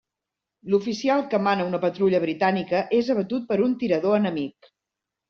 L'oficial que mana una patrulla britànica és abatut per un tirador enemic.